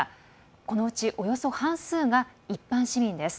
このうちおよそ半数が一般市民です。